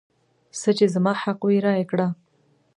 څه چې زما حق وي رایې کړه.